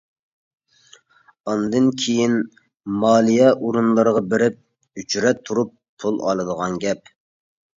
ئاندىن كىيىن مالىيە ئورۇنلىرىغا بېرىپ ئۆچرەت تۇرۇپ پۇل ئالىدىغان گەپ.